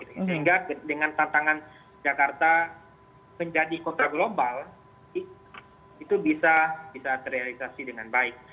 sehingga dengan tantangan jakarta menjadi kota global itu bisa terrealisasi dengan baik